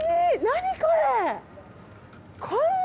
何これ！